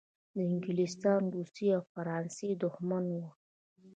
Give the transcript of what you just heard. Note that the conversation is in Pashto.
د انګلستان، روسیې او فرانسې دښمن وو.